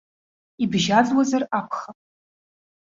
Ибжьаӡуазар акәхап.